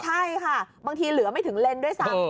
ใช่ค่ะบางทีเหลือไม่ถึงเลนด้วยซ้ำ